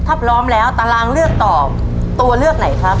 ถ้าพร้อมแล้วตารางเลือกตอบตัวเลือกไหนครับ